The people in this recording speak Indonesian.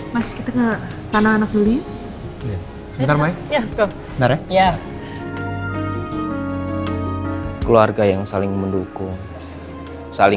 mas kita ke tanah anak beli